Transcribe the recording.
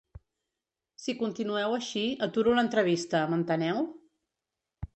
Si continueu així, aturo l’entrevista, m’enteneu?